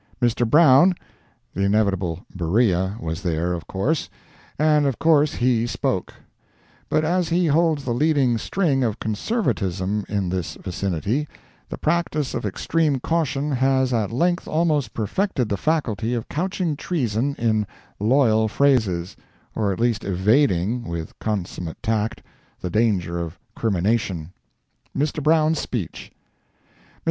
Mr. Brown, the inevitable Beriah, was there, of course, and of course he spoke; but as he holds the leading string of "conservatism" in this vicinity, the practice of extreme caution has at length almost perfected the faculty of couching treason in loyal phrases, or at least evading, with consummate tact, the danger of crimination. MR. BROWN'S SPEECH.—Mr.